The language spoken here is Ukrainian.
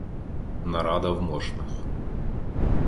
Нарада в Мошнах